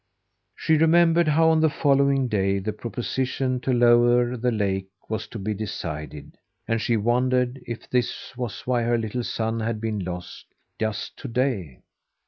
She remembered how on the following day the proposition to lower the lake was to be decided, and she wondered if this was why her little son had been lost just to day.